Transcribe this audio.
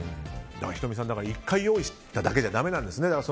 仁美さん、１回用意しただけじゃだめなんですね。